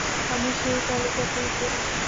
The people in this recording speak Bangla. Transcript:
আমি সেই তালিকাতেই পড়ি।